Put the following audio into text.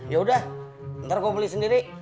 yaudah ntar gua beli sendiri